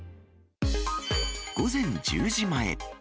午前１０時前。